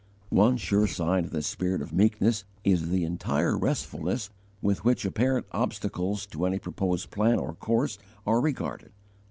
_ One sure sign of this spirit of meekness is the entire restfulness with which apparent obstacles to any proposed plan or course are regarded.